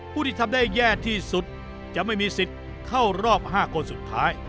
ผู้ที่ทำได้แย่ที่สุดจะไม่มีสิทธิ์เข้ารอบ๕คนสุดท้าย